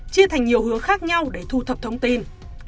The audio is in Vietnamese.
chia thành nhiều hướng khác nhau để thu thập thông tin